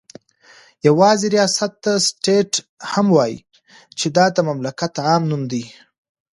يوازي رياست ته سټيټ هم وايي چې دا دمملكت عام نوم دى